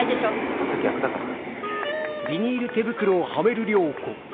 普通逆だから。